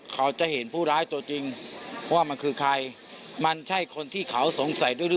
กันอยู่ว่าคือใคร